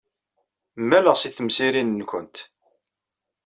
Malleɣ seg temsirin-nwent.